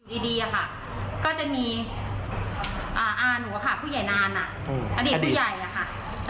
ดีอะค่ะก็จะมีอาหนูค่ะผู้ใหญ่นานอดีตผู้ใหญ่อะค่ะ